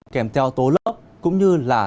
kèm theo tố lớp cũng như là